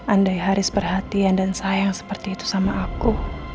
andai harus perhatian dan sayang seperti itu sama aku